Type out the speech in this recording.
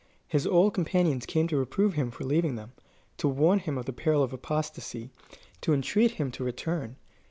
His old companions came to reprove him for leaving them, to warn him of the peril of apostasy, to entreat him to return.